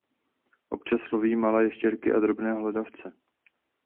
Občas loví malé ještěrky a drobné hlodavce.